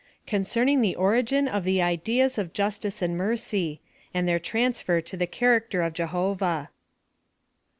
CONCERNING THE ORIGIN OP THE IDEAS OP JUSTICE AND MERCY, AND THEIR TRANSFER ro THE CHARACTER OP JEHOVAH.